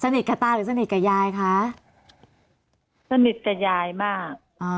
กับตาหรือสนิทกับยายคะสนิทกับยายมากอ่า